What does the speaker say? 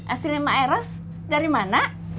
aslinya mak eros dari mana